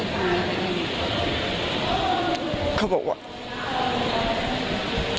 เขาบอกว่าเขาบอกว่าเขาไม่อยาก